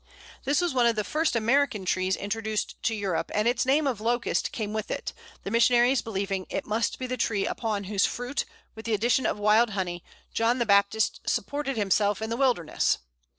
] This was one of the first American trees introduced to Europe, and its name of Locust came with it, the missionaries believing it must be the tree upon whose fruit, with the addition of wild honey, John the Baptist supported himself in the wilderness.